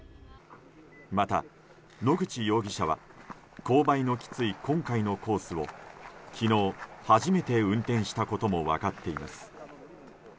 また、野口容疑者は勾配のきつい今回のコースを昨日初めて運転したことも分かっています。